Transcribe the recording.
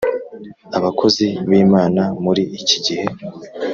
Abakozi b imana muri iki gihe